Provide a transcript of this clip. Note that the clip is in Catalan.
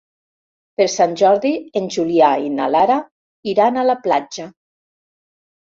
Per Sant Jordi en Julià i na Lara iran a la platja.